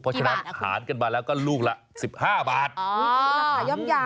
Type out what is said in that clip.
พอฉะนั้นหาดกันมาแล้วก็ลูกละ๑๕บาทคุณพี่อ๋อราคายอม